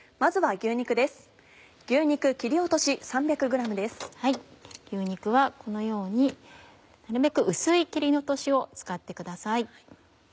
牛肉はこのようになるべく薄い切り落としを使ってください。